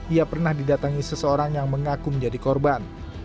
ia pernah didatangi seseorang yang mengaku menjadi korban